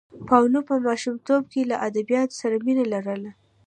پاولو په ماشومتوب کې له ادبیاتو سره مینه لرله.